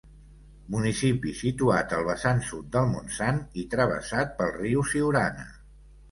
Municipi situat al vessant sud del Montsant i travessat pel riu Siurana.